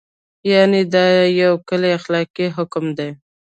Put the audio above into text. یعنې دا یو کلی اخلاقي حکم دی.